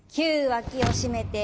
９脇を締めて。